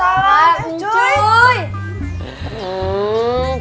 cek kebetulan ada nenek cuy bantuin aku